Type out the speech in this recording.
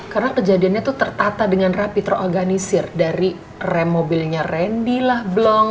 karena kejadiannya tuh tertata dengan rapi terorganisir dari rem mobilnya randy lah blong